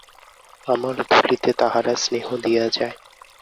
আমার ধূলিতে তাহারা স্নেহ দিয়া যায়।